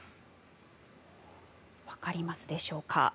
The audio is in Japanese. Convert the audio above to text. わかりますでしょうか。